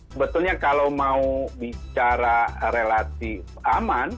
sebetulnya kalau mau bicara relatif aman